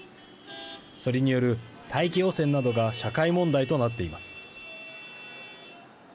それによる大気汚染などが社会問題となっています。